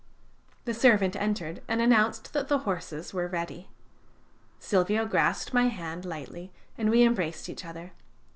The servant entered and announced that the horses were ready. Silvio grasped my hand tightly, and we embraced each other.